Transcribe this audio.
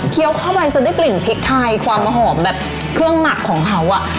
เข้าไปจนได้กลิ่นพริกไทยความหอมแบบเครื่องหมักของเขาอ่ะ